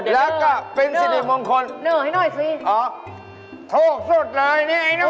แล้วก็เป็นสิทธิบงคลอ๋อโทษสุดเลยนี่ไอ้หนู